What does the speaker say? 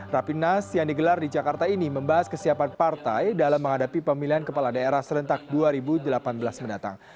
rapimnas yang digelar di jakarta ini membahas kesiapan partai dalam menghadapi pemilihan kepala daerah serentak dua ribu delapan belas mendatang